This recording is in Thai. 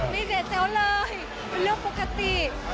ไม่เป็นเจ้าเลยเป็นเรื่องปกติ